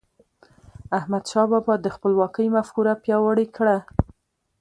احمدشاه بابا د خپلواکی مفکوره پیاوړې کړه.